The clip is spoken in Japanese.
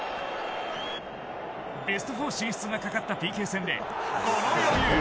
ベスト４進出がかかったＰＫ戦でこの余裕。